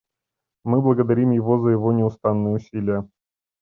Мы благодарим его за его неустанные усилия.